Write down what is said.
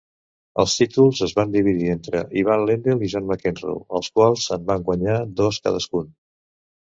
Els títols es van dividir entre Ivan Lendl i John McEnroe, els quals en van guanyar dos cadascun.